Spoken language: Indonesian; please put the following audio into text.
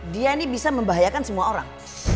dia ini bisa membahayakan semua orang